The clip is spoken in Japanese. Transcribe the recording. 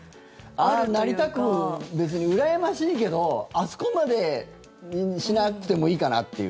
ああなりたく別にうらやましいけどあそこまでにしなくてもいいかなっていう。